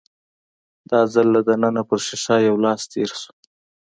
دا ځل له دننه پر ښيښه يو لاس تېر شو.